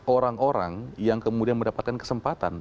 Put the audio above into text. orang orang yang kemudian mendapatkan kesempatan